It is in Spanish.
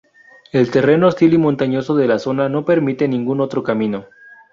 El terreno hostil y montañoso de la zona no permite ningún otro camino.